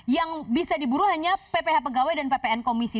yang bisa diburu hanya pph pegawai dan ppn komisi